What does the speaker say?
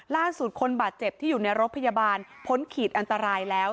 ล่าสุดคนบาดเจ็บที่อยู่ในรถพยาบาลพ้นขีดอันตรายแล้ว